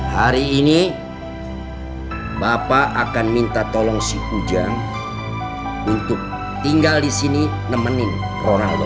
hari ini bapak akan minta tolong si pujang untuk tinggal di sini nemenin ronaldo